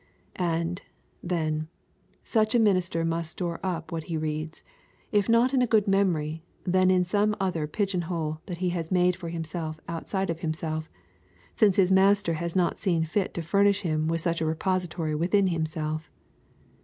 And, then, such a minister must store up what he reads, if not in a good memory, then in some other pigeon hole that he has made for himself outside of himself, since his Master has not seen fit to furnish him with such a repository within himself.